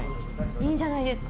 いいんじゃないですか。